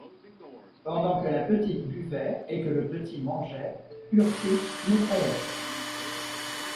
Pendant que la petite buvait et que le petit mangeait, Ursus maugréait.